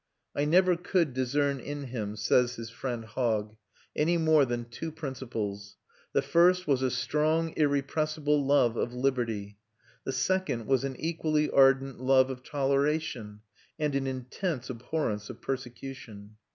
"I never could discern in him," says his friend Hogg, "any more than two principles. The first was a strong, irrepressible love of liberty.... The second was an equally ardent love of toleration ... and ... an intense abhorrence of persecution."